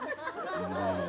こんばんは。